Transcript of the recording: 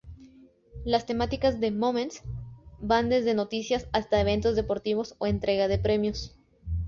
Las temáticas de Moments van desde noticias hasta eventos deportivos o entrega de premios.